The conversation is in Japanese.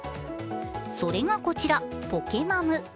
それがこちらポケマム。